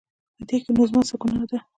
په دې کې نو زما ګناه څه ده؟